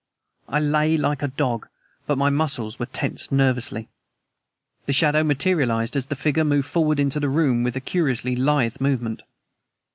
I lay like a log, but my muscles were tensed nervously. The shadow materialized as the figure moved forward into the room with a curiously lithe movement.